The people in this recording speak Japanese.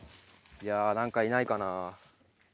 いや何かいないかなあ。